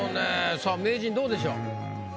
さあ名人どうでしょう？